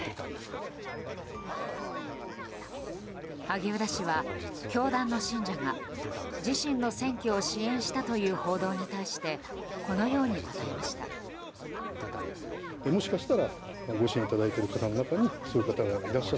萩生田氏は教団の信者が自身の選挙を支援したという報道に対してこのように答えました。